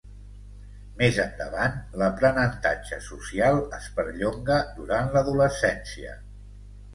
Més endavant, l'aprenentatge social es perllonga durant l'adolescència.